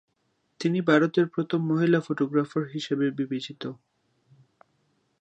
তিনি ভারতের প্রথম মহিলা ফটোগ্রাফার হিসাবে বিবেচিত।